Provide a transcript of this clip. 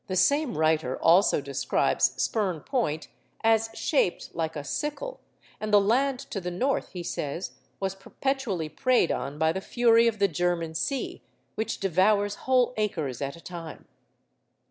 The same writer also describes Spurn Point as shaped like a sickle, and the land to the north, he says, was 'perpetually preyed on by the fury of the German Sea, which devours whole acres at a time.